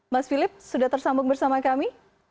mas philip sudah tersambung bersama kami